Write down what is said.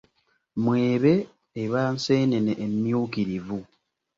Mwebe eba nseenene emmyukirivu.